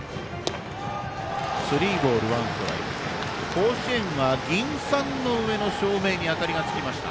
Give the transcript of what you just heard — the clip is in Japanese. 甲子園は銀傘の上の照明に明かりがつきました。